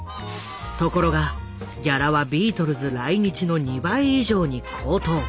ところがギャラはビートルズ来日の２倍以上に高騰！